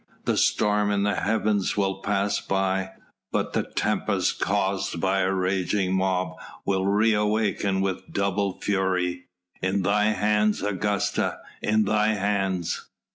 The storm in the heavens will pass by, but the tempest caused by a raging mob will reawaken with double fury. In thy hands, Augusta, in thy hands!..."